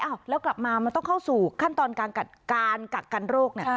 อะแล้วกลับมามันต้องเข้าสู่ขั้นตอนการการการกักกันโรคน่า